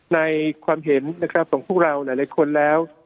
ในความเห็นนะครับของพวกเราหลายคนแล้ว